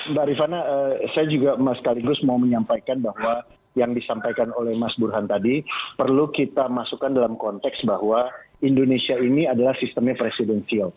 mbak rifana saya juga sekaligus mau menyampaikan bahwa yang disampaikan oleh mas burhan tadi perlu kita masukkan dalam konteks bahwa indonesia ini adalah sistemnya presidensial